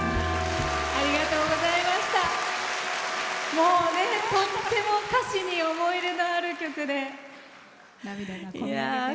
もう、とっても歌詞に思い入れのある曲で涙がこぼれてますが。